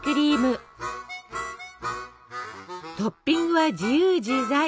トッピングは自由自在！